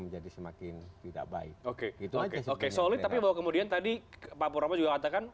menjadi semakin tidak baik oke itu aja oke solid tapi bahwa kemudian tadi pak purwo juga katakan